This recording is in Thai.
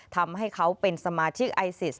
ทำให้เขาเป็นสมาชิกไอซิส